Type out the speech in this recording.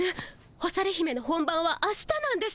干され姫の本番はあしたなんです。